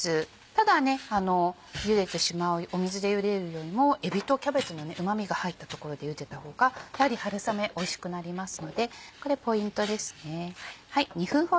ただ水で茹でるよりもえびとキャベツのうま味が入ったところで茹でた方がやはり春雨おいしくなりますのでこれポイントですね。